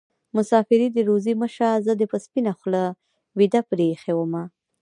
مسافري دې روزي مه شه زه دې په سپينه خولې ويده پرې ايښې ومه